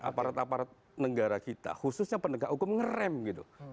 aparat aparat negara kita khususnya penegak hukum ngerem gitu